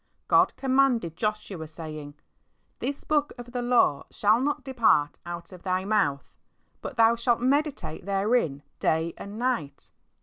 God commanded Joshua saying, "This book of the law shall not depart out of thy mouth, but thou shalt meditate therein day and night."